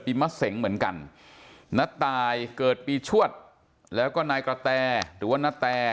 มะเสงเหมือนกันณตายเกิดปีชวดแล้วก็นายกระแตหรือว่านาแต